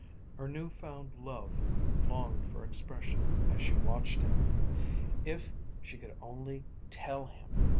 Her new found love longed for expression as she watched him. If she could only tell him!